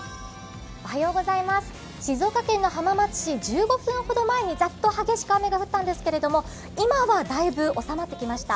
静岡県の浜松市１５分前にザッと激しい雨が降ったんですけれど今はだいぶ収まってきました。